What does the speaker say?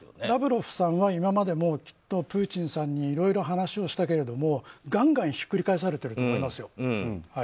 ラブロフさんは今までもきっとプーチンさんにいろいろ話をしたけれどもガンガンひっくり返されていると思います。